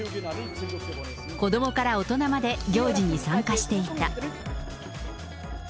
子どもから大人まで行事に参加していた。